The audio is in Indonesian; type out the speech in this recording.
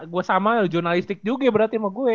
gue sama jurnalistik juga berarti sama gue